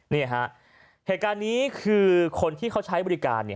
นี่ฮะเหตุการณ์นี้คือคนที่เขาใช้บริการ